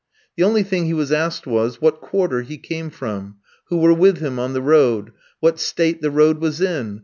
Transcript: The only thing he was asked was, what quarter he came from? who were with him on the road? what state the road was in?